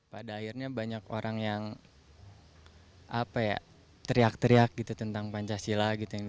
pada akhirnya banyak orang yang teriak teriak gitu tentang pancasila